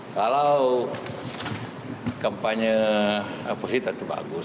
kalau kampanye positif itu bagus